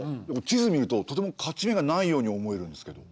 地図見るととても勝ち目がないように思えるんですけど。